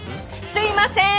すいません！